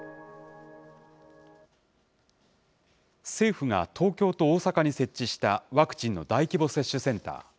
政府が東京と大阪に設置した、ワクチンの大規模接種センター。